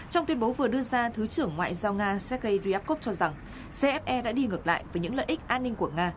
trong tuyên bố vừa đưa ra thứ trưởng ngoại giao nga sergei ryabkov cho rằng cfe đã đi ngược lại với những lợi ích an ninh của nga